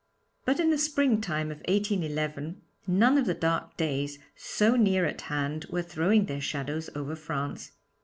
But in the springtime of 1811, none of the dark days so near at hand were throwing their shadows over France.